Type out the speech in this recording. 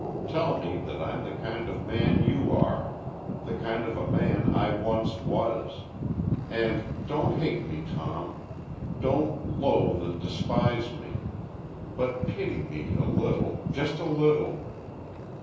Tell me that I'm the kind of a man you are! the kind of a man I once was! And don't hate me, Tom. Don't loathe, and despise me, all; but pity me a little just a little!"